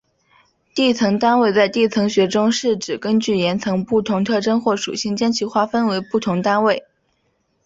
地层单位在地层学中是指根据岩层的不同特征或属性将其划分成的不同单位。